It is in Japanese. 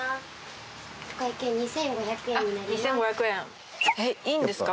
２５００円えっいいんですか？